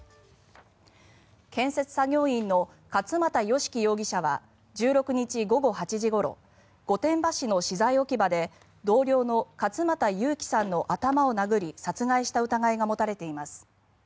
建設作業員の勝又善樹容疑者は１６日午後８時ごろ御殿場市の資材置き場で同僚の勝間田悠輝さんの頭を殴り殺害した疑いが持たれています。